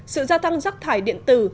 sự gia tăng rắc thải điện tử